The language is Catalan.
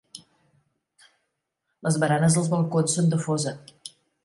Les baranes dels balcons són de fosa.